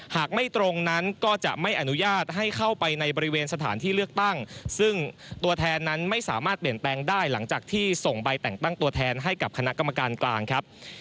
หากไม่ตรงนั้นก็จะไม่อนุญาตให้เข้าไปในบริเวณสถานที่เลือกตั้งซึ่งตัวแทนนั้นไม่สามารถเปลี่ยนแปลงได้หลังจากที่ส่งใบแต่งตั้งตัวแทนให้กับคณะกรรมการกลางครับ